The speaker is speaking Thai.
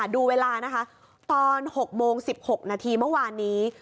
ดูเวลานะคะตอน๖โมง๑๖นาทีเมื่อวานนี้